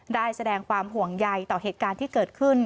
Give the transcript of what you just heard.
ได้แสดงความห่วงใยต่อเหตุการณ์ที่เกิดขึ้น